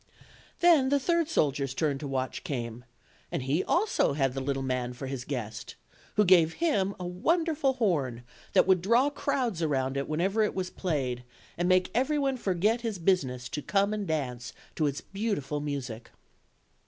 Then the third soldier's turn to watch came, and he also had the little man for his guest, who gave him a wonderful horn that would draw crowds around it when ever it was played; and make every one forget his busi ness to come and dance to its beautiful music.